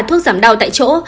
ba thuốc giảm đau tại chỗ